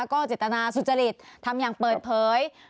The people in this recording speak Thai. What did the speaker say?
ก็เจตนาสุจริตทำอย่างเปิดเผย